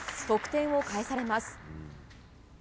得点を返されます。